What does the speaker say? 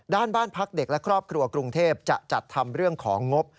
บ้านพักเด็กและครอบครัวกรุงเทพจะจัดทำเรื่องของงบ